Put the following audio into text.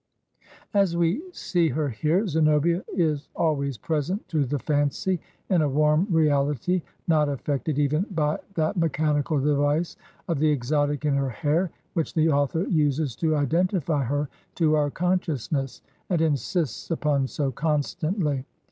As we see her here Zenobia is always present to the fancy in a warm reality not affected even by that me chanical device of the exotic in her hair, which the author uses to identify her to our consciousness, and insists upon so constantly.